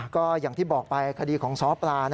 ก็อย่างที่บอกไปคดีของซ้อปลา